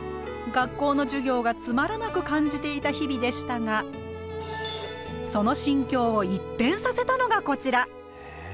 学校の授業がつまらなく感じていた日々でしたがその心境を一変させたのがこちら！